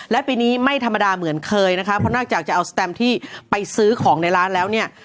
และปีนี้ไม่ธรรมดาเหมือนเคยนะคะเพราะนอกจากจะเอาสแตมที่ไปซื้อของในร้านแล้วเนี่ย